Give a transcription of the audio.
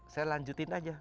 saya lanjutin aja